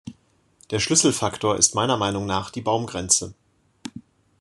Der Schlüsselfaktor ist meiner Meinung nach die Baumgrenze.